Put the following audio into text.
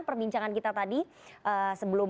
perbincangan kita tadi sebelum